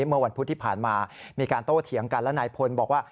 เมื่อวันพุธที่ผ่านมามีการโต้เถียงกันแล้วนายพลบอกว่า